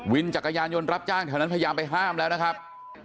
จักรยานยนต์รับจ้างแถวนั้นพยายามไปห้ามแล้วนะครับ